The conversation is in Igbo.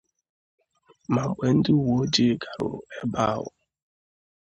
ma mgbe ndị uwe ojii gàrùrù ebe ahụ